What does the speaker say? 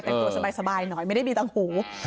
แต่งตัวสบายหน่อยไม่ได้มีตังหู